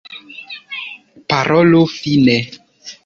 Parolu fine!